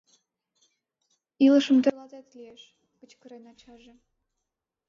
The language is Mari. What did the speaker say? Илышым тӧрлатет лиеш!.. — кычкырен ачаже.